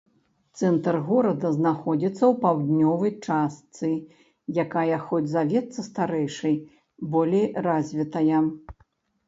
Цэнтр горада знаходзіцца ў паўднёвай частцы якая, хоць завецца старэйшай, болей развітая.